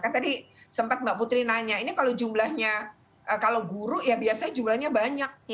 kan tadi sempat mbak putri nanya ini kalau jumlahnya kalau guru ya biasanya jumlahnya banyak